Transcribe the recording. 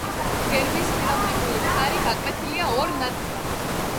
გერბის ჰერალდიკური ფარი გაკვეთილია ორ ნაწილად.